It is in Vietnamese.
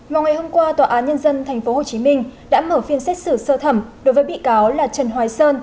vào ngày hôm qua tòa án nhân dân tp hcm đã mở phiên xét xử sơ thẩm đối với bị cáo là trần hoài sơn